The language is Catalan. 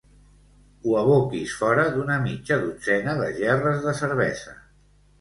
Ho aboquis fora d'una mitja dotzena de gerres de cervesa.